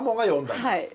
はい。